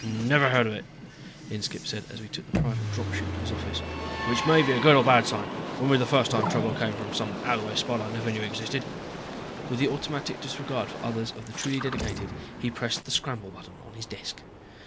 "Never heard of it," Inskipp said as we took the private drop chute to his office. "Which may be a good or a bad sign. Wouldn't be the first time trouble came from some out of the way spot I never even knew existed." With the automatic disregard for others of the truly dedicated, he pressed the scramble button on his desk.